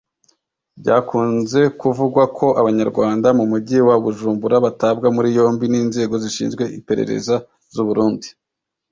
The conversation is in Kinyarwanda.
Byakunze kuvugwa ko Abanyarwanda mu Mujyi wa Bujumbura batabwa muri yombi n’inzego zishinzwe iperereza z’u Burundi